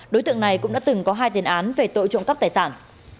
đối tượng này cũng đã từng có hai tiền án về tội trộm cắp tài sản